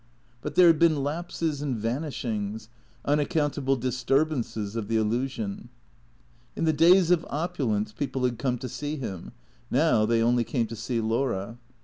But there had been lapses and vanishings, unaccountable disturbances of the illusion. In the days of opulence people had come to see him ; now they only came to see Laura.